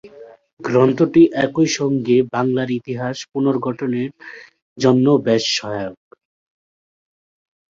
গ্রন্থটি একই সঙ্গে বাংলার ইতিহাস পুনর্গঠনের জন্যও বেশ সহায়ক।